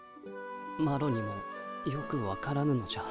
マロにもよくわからぬのじゃ。